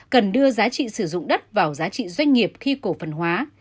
cần đưa giá trị sử dụng đất vào giá trị doanh nghiệp khi cổ phần hóa